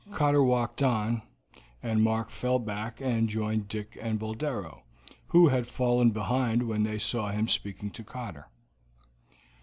Cotter walked on, and Mark fell back, and joined Dick and Boldero, who had fallen behind when they saw him speaking to Cotter.